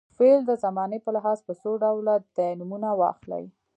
فعل د زمانې په لحاظ په څو ډوله دی نومونه واخلئ.